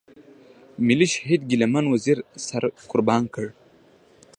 ملي شهيد ګيله من وزير سر قربان کړ.